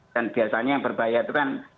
dan biasanya yang berbahaya itu kan